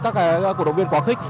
các cổ động viên quá khích